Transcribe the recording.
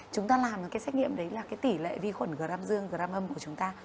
chúng ta làm được cái xét nghiệm đấy là cái tỷ lệ vi khuẩn gram dương gram âm của chúng ta